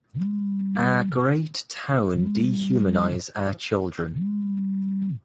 Our great towns dehumanize our children.